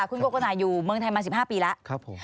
คุณโกโกนายอยู่เมืองไทยมา๑๕ปีแล้ว